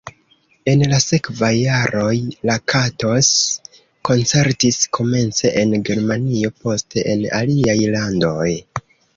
En la sekvaj jaroj Lakatos koncertis, komence en Germanio, poste en aliaj landoj.